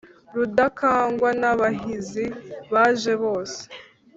rudakangwa n’abahizi baje bose